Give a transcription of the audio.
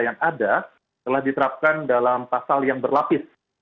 yang ada telah diterapkan dalam pasal yang berlapis